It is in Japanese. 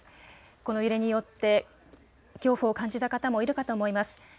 この揺れによって恐怖を感じた方もいるかと思います。